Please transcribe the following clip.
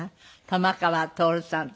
玉川徹さん。